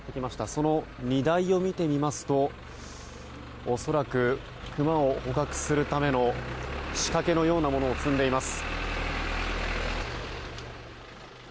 その荷台を見てみますと恐らく、クマを捕獲するための仕掛けのようなものを積んでいます。